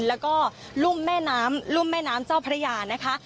แล้วก็รุ่มแม่น้ำเจ้าพระยานะคะ